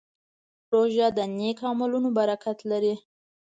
روژه د نیک عملونو برکت لري.